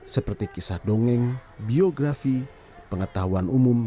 seperti kisah dongeng biografi pengetahuan umum